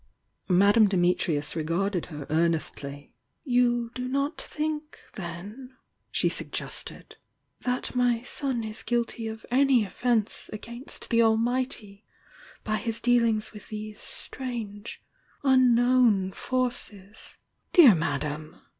Madame Dimitrius regarded her earnestly. "You do not think, then," she suggested, "Uiat my son is guilty of any offence against the Almighty by his dealings with these strange, unknown forces " "Dear Madame!"